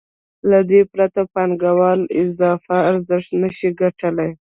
له دې پرته پانګوال اضافي ارزښت نشي ګټلی